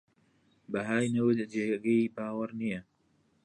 بەهای نەوت جێگەی باوەڕ نییە